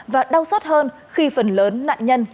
và đau suất hơn khi phần lớn nạn nhân